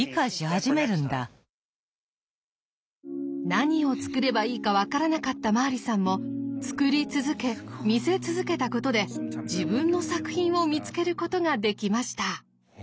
何を作ればいいか分からなかったマーリさんも作り続け見せ続けたことで自分の作品を見つけることができました。